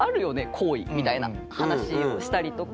好意みたいな話をしたりとか。